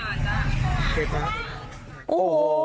โอ้โห